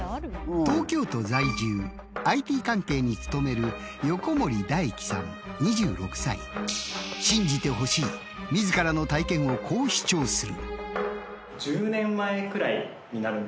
東京都在住ＩＴ関係に勤める信じてほしい自らの体験をこう主張する。